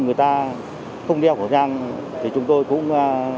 người ta không đeo khẩu trang thì chúng tôi cũng